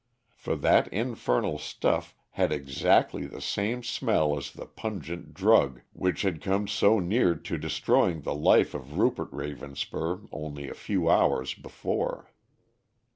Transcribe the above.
For that infernal stuff had exactly the same smell as the pungent drug which had come so near to destroying the life of Rupert Ravenspur only a few hours before.